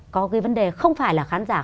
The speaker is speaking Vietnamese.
có cái vấn đề không phải là khán giả